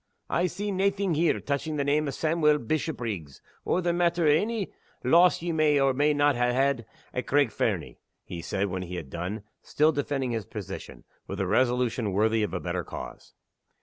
"I see naething here touching the name o' Sawmuel Bishopriggs, or the matter o' ony loss ye may or may not ha' had at Craig Fernie," he said, when he had done; still defending his position, with a resolution worthy of a better cause.